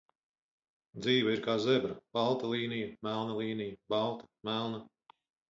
Dzīve ir kā zebra, balta līnija, melna līnija, balta, melna